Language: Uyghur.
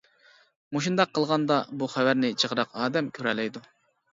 مۇشۇنداق قىلغاندا بۇ خەۋەرنى جىقراق ئادەم كۆرەلەيدۇ.